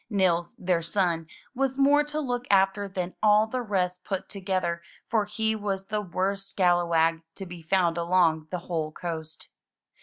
Nils, their son, was more to look after than all the rest put together for he was the worst scalawag to be found along the whole coast.